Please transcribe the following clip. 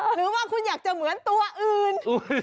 หรือว่าคุณอยากจะเหมือนตัวอื่น